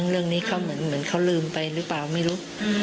เรื่องนี้เขาเหมือนเขาลืมไปหรือเปล่าไม่รู้